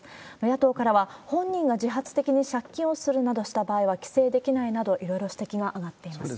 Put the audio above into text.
野党からは、本人が自発的に借金するなどした場合は規制できないなど、いろいろ指摘が挙がっています。